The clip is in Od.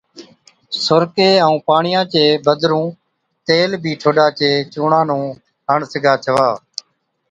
سُرڪي ائُون پاڻِيان چي بِدرُون تيل بِي ٺوڏا چي چُونڻان نُون هڻ سِگھا ڇَوا۔